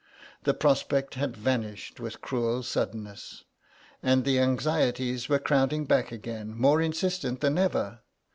The prospect had vanished with cruel suddenness, and the anxieties were crowding back again, more insistent than ever.